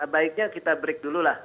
baiknya kita break dulu lah